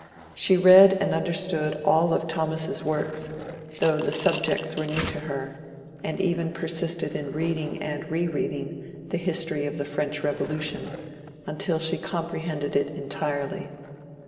She read and understood all of Thomas's works, though the subjects were new to her ; and even persisted in reading and re reading the ^^ History of the French Revolu tion" until she comprehended it entirely.